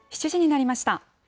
７時になりました。